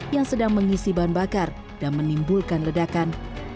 yang sedang mengisi bahan bakar dan menimbulkan ledakan